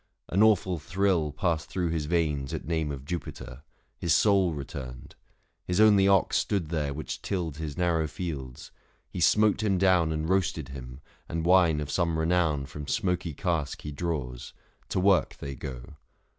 An awful thrill Passed thro' his veins at name of Jupiter. His soul returned ; his only ox stood there Which tilled his narrow fields ; he smote him down And roasted him, and wine of some renown 585 From smoky cask he draws ; to work they go.